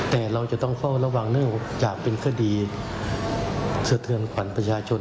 แต่เราจะต้องเฝ้าระวังเนื่องจากเป็นคดีสะเทือนขวัญประชาชน